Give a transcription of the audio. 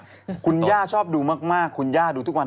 คุณย่าคุณย่าชอบดูมากคุณย่าดูทุกวัน